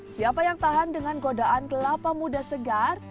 siapa yang tahan dengan godaan kelapa muda segar